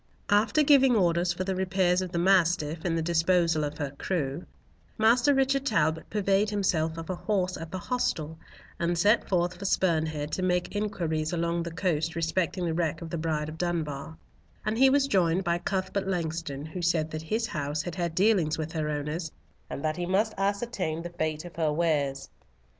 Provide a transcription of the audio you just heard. After giving orders for the repairs of the Mastiff, and the disposal of her crew, Master Richard Talbot purveyed himself of a horse at the hostel, and set forth for Spurn Head to make inquiries along the coast respecting the wreck of the Bride of Dunbar, and he was joined by Cuthbert Langston, who said his house had had dealings with her owners, and that he must ascertain the fate of her wares.